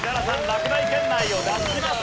落第圏内を脱します。